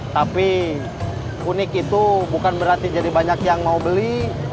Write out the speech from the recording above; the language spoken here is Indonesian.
tapi unik itu bukan berarti jadi banyak yang mau beli